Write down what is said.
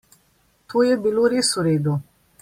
To je bilo res vredu.